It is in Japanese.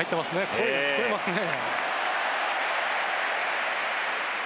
声が聞こえますね。